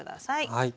はい。